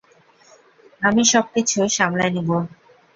আমি সবকিছু সামলে নিব।